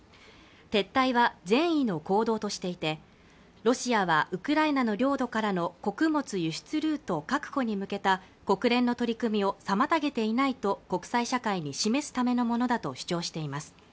ロシアは善意の行動としていてロシアはウクライナの領土からの穀物輸出ルート確保に向けた国連の取り組みを妨げていないと国際社会に示すためのものだと主張しています